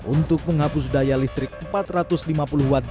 untuk menghapus daya listrik empat ratus lima puluh watt